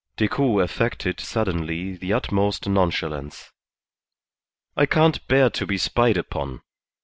Decoud affected suddenly the utmost nonchalance. "I can't bear to be spied upon.